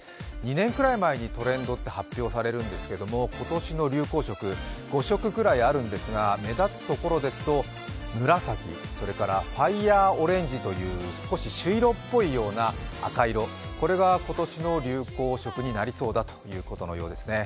２年くらい前にトレンドって発表されるんですけれども、今年の流行色、５色くらいあるんですが目立つところですと、紫、それからファイヤーオレンジという少し朱色っぽいような赤色、これが今年の流行色になりそうだということのようですね。